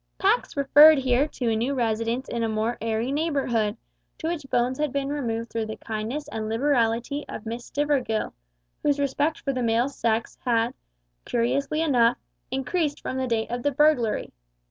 Pax referred here to a new residence in a more airy neighbourhood, to which Bones had been removed through the kindness and liberality of Miss Stivergill, whose respect for the male sex had, curiously enough, increased from the date of the burglary.